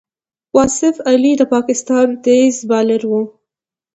واصف علي د پاکستان تېز بالر وو.